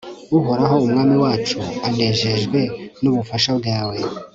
uhoraho, umwami wacu anejejwe n'ububasha bwawe